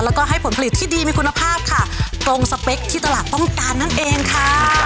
แล้วก็ให้ผลผลิตที่ดีมีคุณภาพค่ะตรงสเปคที่ตลาดต้องการนั่นเองค่ะ